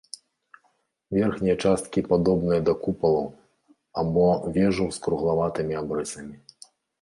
Верхнія часткі падобныя да купалаў або вежаў з круглаватымі абрысамі.